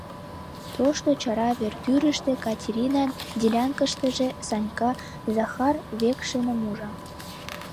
Тошто Чара вер тӱрыштӧ Катеринан делянкыштыже, Санька Захар Векшиным ужо.